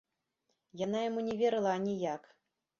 Яна яму не верыла аніяк.